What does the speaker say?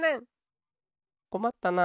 こまったな。